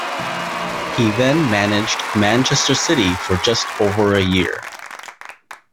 He then managed Manchester City for just over a year.